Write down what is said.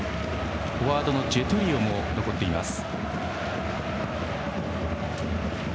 フォワードのジェトゥリオも残っています。